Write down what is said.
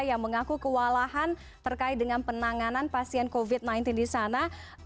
yang mengaku kewalahan terkait dengan penanganan pasien covid sembilan belas di sana